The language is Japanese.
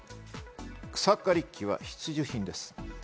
「草刈り機は必需品です」。